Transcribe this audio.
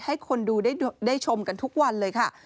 ให้คนดูได้ชมกันทุกวันเลยค่ะ